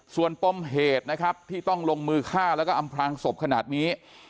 ส่วนปมเหตุนะครับที่ต้องลงมือฆ่าแล้วก็อำพลางศพขนาดนี้